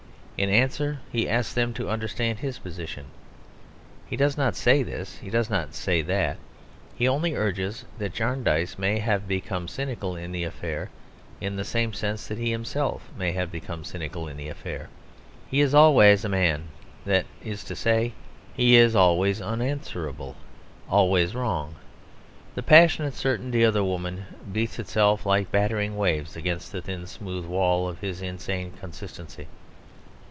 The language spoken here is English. In answer he asks them to understand his position. He does not say this; he does not say that. He only urges that Jarndyce may have become cynical in the affair in the same sense that he himself may have become cynical in the affair. He is always a man; that is to say, he is always unanswerable, always wrong. The passionate certainty of the woman beats itself like battering waves against the thin smooth wall of his insane consistency.